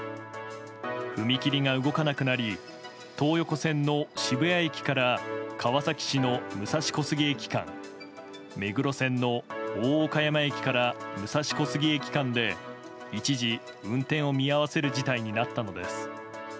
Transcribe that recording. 踏切が動かなくなり東横線の渋谷駅から川崎市の武蔵小杉駅間目黒線の大岡山駅から武蔵小杉駅間で一時運転を見合わせる事態になったのです。